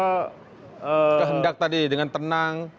kehendak tadi dengan tenang